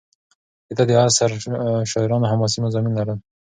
د ده د عصر شاعرانو حماسي مضامین لرل.